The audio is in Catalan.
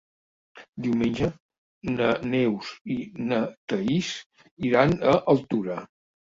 Diumenge na Neus i na Thaís iran a Altura.